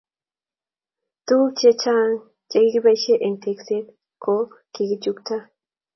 Tuguk che chang che kikiboisie eng tekset ko kikichukta